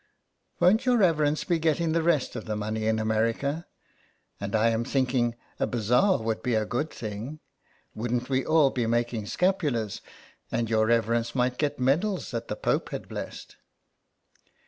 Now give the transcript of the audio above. " Won't your reverence be getting the rest of the money in America ? And I am thinking a bazaar would be a good thing. Wouldn't we all be making scapulars, and your reverence might get medals that the Pope had blessed."